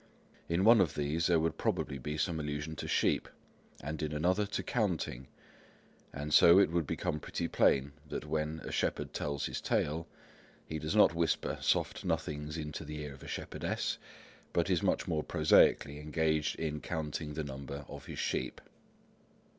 In one of these there would probably be some allusion to sheep, and in another to counting, and so it would become pretty plain that when a shepherd "tells his tale," he does not whisper soft nothings into the ear of a shepherdess, but is much more prosaically engaged in counting the number of his sheep.